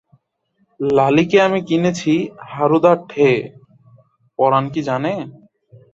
লালীকে আমি কিনেছি হারুদার ঠেয়ে, পরাণ কি জানে?